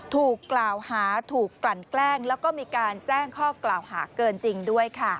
ถูกกล่าวหาถูกกลั่นแกล้งแล้วก็มีการแจ้งข้อกล่าวหาเกินจริงด้วยค่ะ